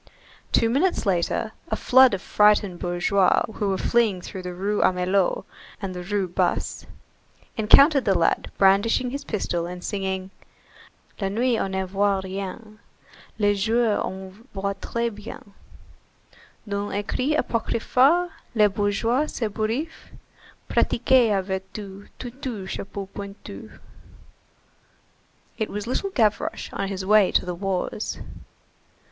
Two minutes later, a flood of frightened bourgeois who were fleeing through the Rue Amelot and the Rue Basse, encountered the lad brandishing his pistol and singing:— La nuit on ne voit rien, Le jour on voit très bien, D'un écrit apocryphe Le bourgeois s'ébouriffe, Pratiquez la vertu, Tutu, chapeau pointu!44 It was little Gavroche on his way to the wars.